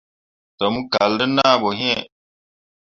Tǝmmi kal te naa ɓoyin.